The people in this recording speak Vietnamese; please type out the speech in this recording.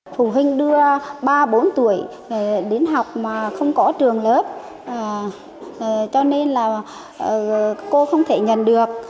phụ huynh đưa ba bốn tuổi đến học mà không có trường lớp cho nên là cô không thể nhận được